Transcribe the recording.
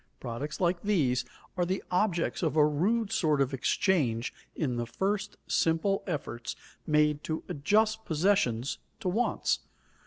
Products like these are the objects of a rude sort of exchange in the first simple efforts made to adjust possessions to wants.